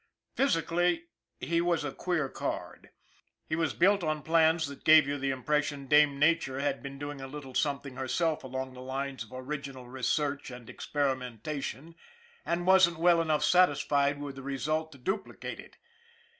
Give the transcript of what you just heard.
Physically, he was a queer card. He was built on plans that gave you the impression Dame Nature had been doing a little something herself along the lines of original research and experimentation and wasn't 2IO MARLEY 211 well enough satisfied with the result to duplicate it!